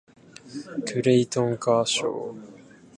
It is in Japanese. クレイトン・カーショー